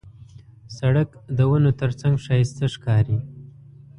سړک د ونو ترڅنګ ښایسته ښکاري.